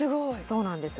そうなんです。